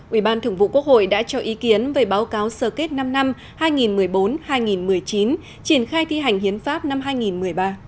ủy ban thường vụ quốc hội đã cho ý kiến về báo cáo sơ kết năm năm hai nghìn một mươi bốn hai nghìn một mươi chín triển khai thi hành hiến pháp năm hai nghìn một mươi ba